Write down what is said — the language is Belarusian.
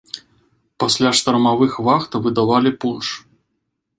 Пасля штармавых вахт выдавалі пунш.